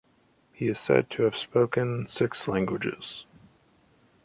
He is said to have spoken six languages.